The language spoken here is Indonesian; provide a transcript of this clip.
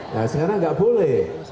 nah sekarang enggak boleh